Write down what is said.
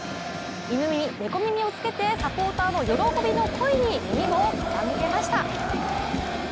イヌ耳、ネコ耳をつけてサポーターの喜びの声に耳を傾けました。